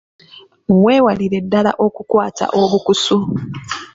Weewalire ddala okukwata obukusu.